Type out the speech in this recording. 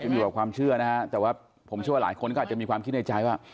อยู่กับความเชื่อนะฮะแต่ว่าผมเชื่อว่าหลายคนก็อาจจะมีความคิดในใจว่า